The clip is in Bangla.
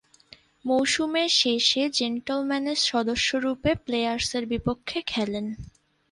মৌসুমে শেষে জেন্টলম্যানের সদস্যরূপে প্লেয়ার্সের বিপক্ষে খেলেন।